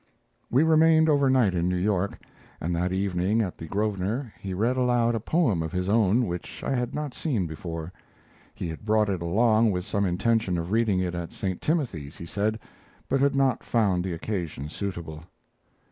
We remained overnight in New York, and that evening, at the Grosvenor, he read aloud a poem of his own which I had not seen before. He had brought it along with some intention of reading it at St. Timothy's, he said, but had not found the occasion suitable.